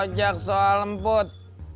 ojak soal emput